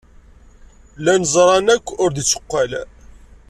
Llan ẓran akk ur d-itteqqal.